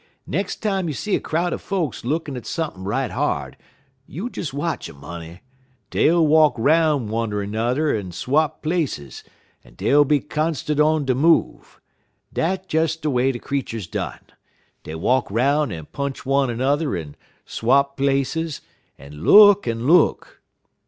Nex' time you see a crowd er folks lookin' at sump'n' right hard, you des watch um, honey. Dey'll walk 'roun' one er 'n'er en swap places, en dey'll be constant on de move. Dat des de way de creeturs done. Dey walk 'roun' en punch one er 'n'er en swap places, en look en look.